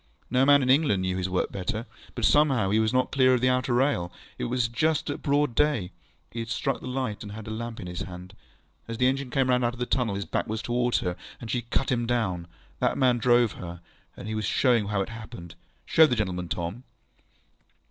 No man in England knew his work better. But somehow he was not clear of the outer rail. It was just at broad day. He had struck the light, and had the lamp in his hand. As the engine came out of the tunnel, his back was towards her, and she cut him down. That man drove her, and was showing how it happened. Show the gentleman, Tom.